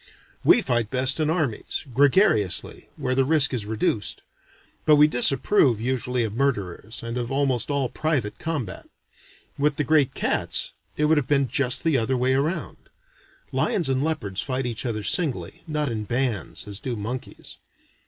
We fight best in armies, gregariously, where the risk is reduced; but we disapprove usually of murderers, and of almost all private combat. With the great cats, it would have been just the other way round. (Lions and leopards fight each other singly, not in bands, as do monkeys.)